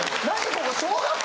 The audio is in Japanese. ここ小学校！？